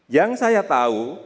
yang saya tahu